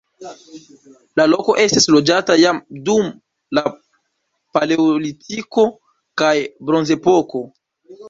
La loko estis loĝata jam dum la paleolitiko kaj bronzepoko.